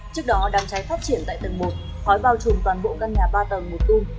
trước đó đám cháy phát triển tại tầng một khói bao trùm toàn bộ căn nhà ba tầng một tung